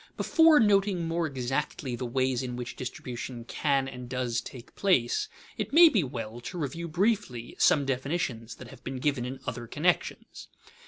_ Before noting more exactly the ways in which distribution can and does take place, it may be well to review briefly some definitions that have been given in other connections.